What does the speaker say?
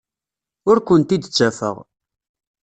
Ur kent-id-ttafeɣ.